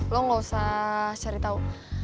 lo gak usah cari tahu